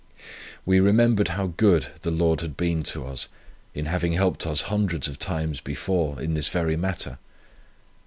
We remembered how good the Lord had been to us, in having helped us hundreds of times before, in this very matter.